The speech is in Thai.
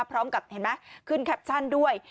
พร้อมกับเห็นไหมขึ้นแคปชั่นด้วย